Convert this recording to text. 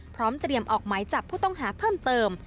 พร้อมเตรียมออกหมายจับผู้ต้องหาเพิ่มเติม